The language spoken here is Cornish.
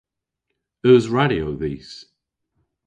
Eus radyo dhis?